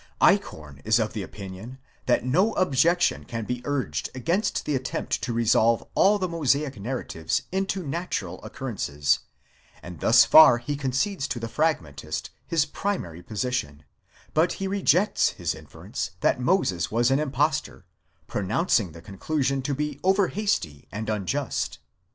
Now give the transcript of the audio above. Eichhorn is of opinion that no objection can be urged against the attempt to resolve all the Mosaic narratives into natural occurrences, and thus far he concedes to the Fragmentist his primary position ; but he rejects his inference that Moses was an impostor, pronouncing the conclusion to be over hasty and unjust.